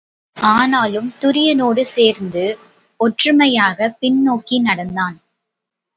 ஆனாலும் துரியனோடு சேர்ந்து ஒற்றுமையாகப் பின் நோக்கி நடந்தான்.